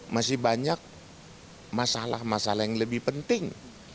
masih banyak masalah masalah yang lebih penting